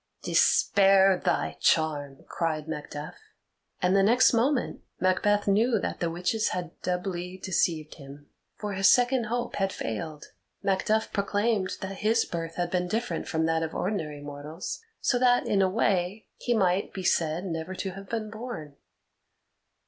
"Despair thy charm!" cried Macduff. And the next moment Macbeth knew that the witches had doubly deceived him, for his second hope had failed Macduff proclaimed that his birth had been different from that of ordinary mortals, so that in a way he might be said never to have been born.